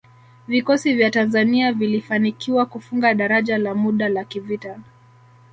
Vikosi vya Tanzania vilifanikiwa kufunga daraja la muda la kivita